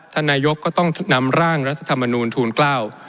ท่านนายกก็ต้องนำร่างรัฐธรรมนูลทูลเกล้า